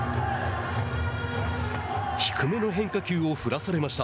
低めの変化球を振らされました。